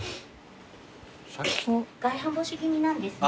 外反母趾気味なんですね。